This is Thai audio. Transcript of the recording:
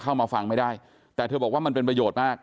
เข้ามาฟังไม่ได้แต่เธอบอกว่ามันเป็นประโยชน์มาก